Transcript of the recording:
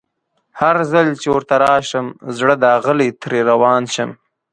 هرځل چي ورته راشم زړه داغلی ترې روان شم